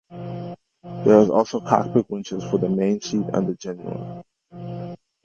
There are also cockpit winches for the mainsheet and the genoa.